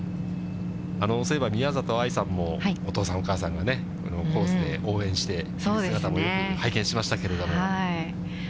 そういえば宮里藍さんもお父さん、お母さんがね、コースで応援している姿もよく拝見しましたけれども。